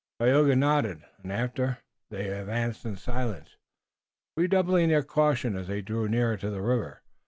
Tayoga nodded, and, after that, they advanced in silence, redoubling their caution as they drew near to the river.